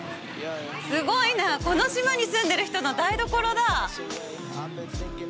すごいな、この島に住んでいる人の台所だ。